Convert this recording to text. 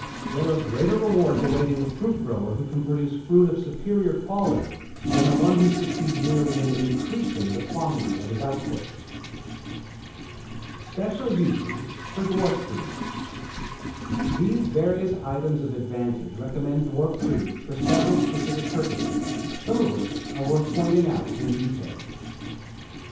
There are greater rewards awaiting the fruit grower who can produce fruit of superior quality than the one who succeeds merely in increasing the quantity of his output. SPECIAL USES FOR DWARF TREES These various items of advantage recommend dwarf fruit trees for several specific purposes, some of which are worth pointing out in detail.